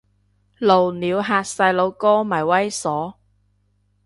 露鳥嚇細路哥咪猥褻